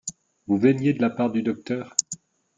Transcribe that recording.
Vous veniez de la part du docteur.